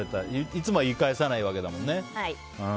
いつもは言い返さないわけだもんね。